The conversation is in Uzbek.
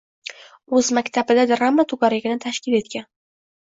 O‘z maktabida drama to‘garagini tashkil etgan